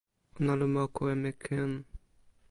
ona li moku e mi kin.